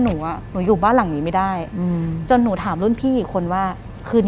หลังจากนั้นเราไม่ได้คุยกันนะคะเดินเข้าบ้านอืม